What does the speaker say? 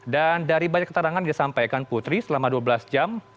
dan dari banyak keterangan disampaikan putri selama dua belas jam